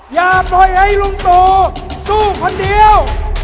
อย่าปล่อยให้ลุงตู่สู้คนเดียว